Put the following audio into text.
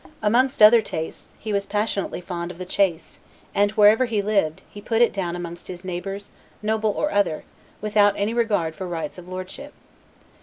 Amongst other tastes, he was passionately fond of the chase; and, wherever he lived, he put it down amongst his neighbors, noble or other, without any regard for rights of lordship.